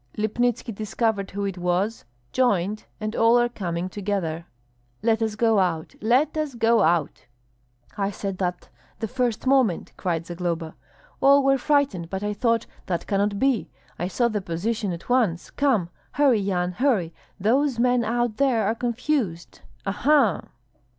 Lipnitski discovered who it was, joined, and all are coming together. Let us go out, let us go out!" "I said that the first moment!" cried Zagloba. "All were frightened, but I thought, 'That cannot be!' I saw the position at once. Come! hurry, Yan, hurry! Those men out there are confused. Aha!"